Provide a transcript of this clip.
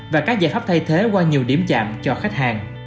và các giải pháp thay thế qua nhiều điểm chạm cho khách hàng